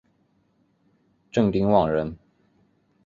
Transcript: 郑丁旺人。